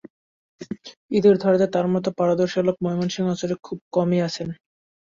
ইঁদুর ধরতে তাঁর মতো পারদর্শী লোক ময়মনসিংহ অঞ্চলে খুব কমই আছেন।